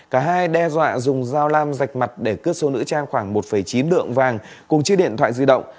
cả hai đe dọa dùng dao lam rạch mặt để cướp số nữ trang khoảng một chín lượng vàng cùng chiếc điện thoại di động